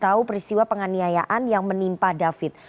tahu peristiwa penganiayaan yang menimpa david